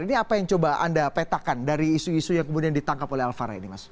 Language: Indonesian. ini apa yang coba anda petakan dari isu isu yang kemudian ditangkap oleh alvara ini mas